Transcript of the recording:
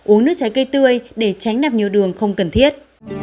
uống nước trái cây tươi để tránh nặc nhiều đường không cần thiết